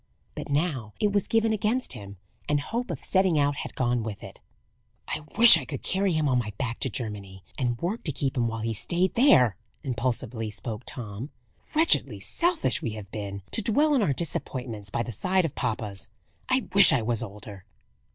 But now it was given against him; and hope of setting out had gone with it. "I wish I could carry him on my back to Germany, and work to keep him while he stayed there!" impulsively spoke Tom. "Wretchedly selfish we have been, to dwell on our disappointments, by the side of papa's. I wish I was older."